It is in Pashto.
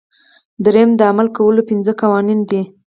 دریم د عمل کولو پنځه قوانین دي.